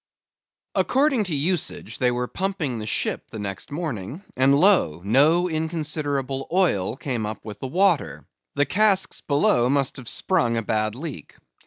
According to usage they were pumping the ship next morning; and lo! no inconsiderable oil came up with the water; the casks below must have sprung a bad leak.